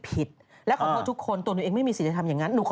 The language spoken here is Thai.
เพราะทุกคนตัวหนูเองไม่มีสิทธิธรรมอย่างนั้นหนูขอโทษ